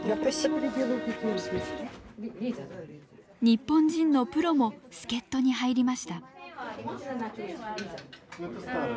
日本人のプロも助っ人に入りました。